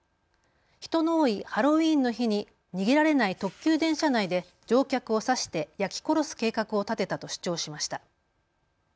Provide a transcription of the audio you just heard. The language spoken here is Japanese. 人の多いハロウィーンの日に逃げられない特急電車内で乗客を刺して焼き殺す計画を立てたと主張しました。